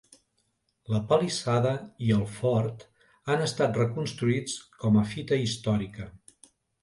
La palissada i el fort han estat reconstruïts com a fita històrica.